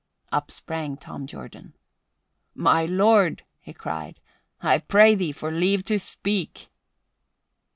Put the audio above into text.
Up sprang Tom Jordan. "My lord," he cried, "I pray thee for leave to speak!"